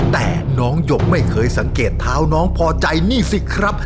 แต่น้องหยกไม่เคยสังเกตเท้าน้องพอใจนี่สิครับ